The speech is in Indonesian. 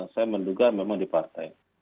saya menduga memang di partai